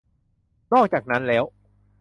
นอกจากนั้นแล้ว